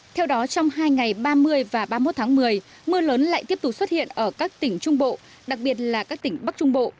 theo đó trong hai ngày ba mươi và ba mươi một tháng một mươi mưa lớn lại tiếp tục xuất hiện ở các tỉnh trung bộ đặc biệt là các tỉnh bắc trung bộ